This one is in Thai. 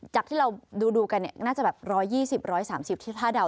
จากที่เราดูกันน่าจะแบบ๑๒๐๑๓๐ถ้าเดา